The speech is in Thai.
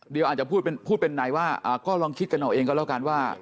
เดี๋ยวอาจจะพูดเป็นไหนว่าก็ลองคิดกันเอาเองก็แล้วกันว่า